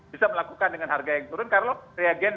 bisa melakukan dengan harga yang turun karena reagen